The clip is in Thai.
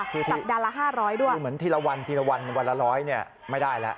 สัปดาห์ละ๕๐๐ด้วยคือเหมือนทีละวันวันละ๑๐๐เนี่ยไม่ได้แล้ว